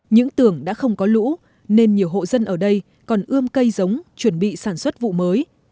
những tường đã không có lũ nên nhiều hộ dân ở đây còn ươm cây giống chuẩn bị sản xuất vụ mới